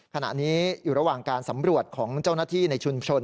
ขณะนี้อยู่ระหว่างการสำรวจของเจ้าหน้าที่ในชุมชน